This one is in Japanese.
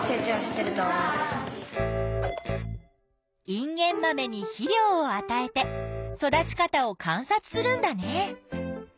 インゲンマメに肥料を与えて育ち方を観察するんだね。